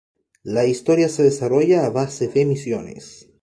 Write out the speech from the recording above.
La historia se desarrolla a base de misiones.